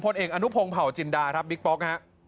พลเอกอนุพงศ์เผาจินดาบิ๊กป๊อก